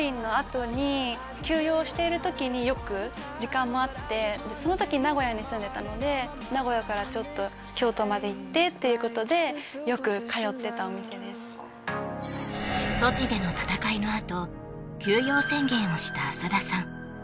私がよく時間もあってその時名古屋に住んでたので名古屋からちょっと京都まで行ってっていうことでソチでの戦いのあと休養宣言をした浅田さん